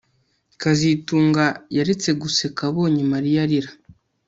kazitunga yaretse guseka abonye Mariya arira